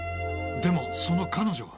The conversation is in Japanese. でもその彼女は。